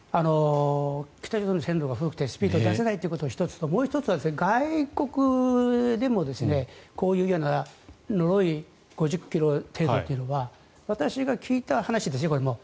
北朝鮮の線路が古くてスピードが出せないということが１つともう１つは外国でもこういうような、のろい５０ｋｍ程度というのは私が聞いた話ですよ、これも。